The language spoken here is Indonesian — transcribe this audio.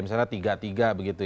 misalnya tiga tiga begitu ya